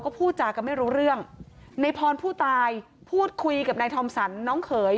ก็พูดจากันไม่รู้เรื่องในพรผู้ตายพูดคุยกับนายทอมสรรน้องเขย